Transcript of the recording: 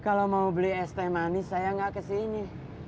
kalau mau beli es teh manis saya nggak kesini